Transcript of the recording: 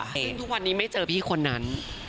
ซึ่งทุกวันนี้ไม่เจอพี่คนนั้น